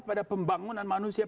pada pembangunan manusia